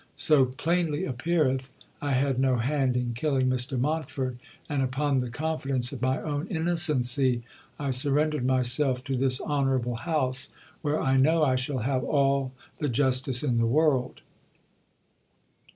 So plainly appeareth I had no hand in killing Mr Montford, and upon the confidence of my own innocency I surrendered myself to this honourable house, where I know I shall have all the justice in the world."